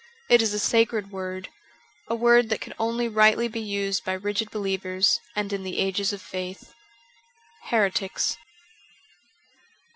It is a sacred word, a word that could only rightly be used by rigid believers and in the ages of faith. * Heretics.''